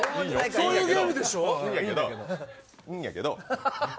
そういうゲームでしょ。